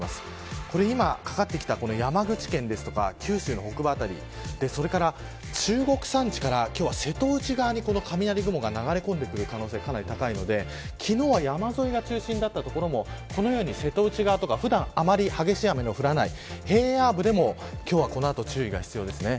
今かかってきた山口県ですとか九州の北部辺りそれから中国山地から瀬戸内側に雷雲が流れ込んでくる可能性が高いので昨日は山沿いが中心だった所も瀬戸内側など普段は激しい雨の降らない平野部でも今日はこの後、注意が必要です。